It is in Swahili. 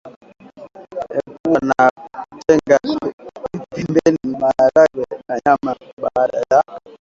Epua na tenga pembeni maharage na nyama baada ya